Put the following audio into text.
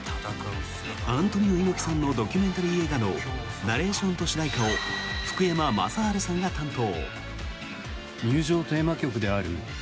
アントニオ猪木さんのドキュメンタリー映画のナレーションと主題歌を福山雅治さんが担当。